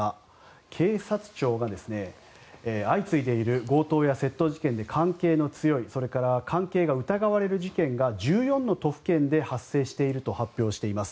警察庁が相次いでいる強盗や窃盗事件に関係が強いそれから関係が疑われる事件が１４の都府県で発生していると発表しています。